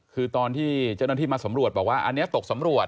คือตอนที่เจ้าหน้าที่มาสำรวจบอกว่าอันนี้ตกสำรวจ